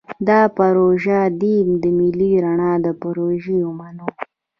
دا پروژه دې د ملي رڼا پروژه ومنو.